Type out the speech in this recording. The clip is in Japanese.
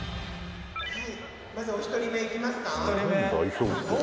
「まずお一人目いきますか？」